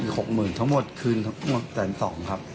อีก๖๐๐๐๐บาททั้งหมดคืนทั้งหมดแต่อีก๒ครับ